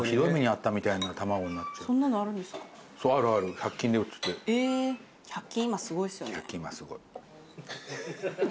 １００均今すごい。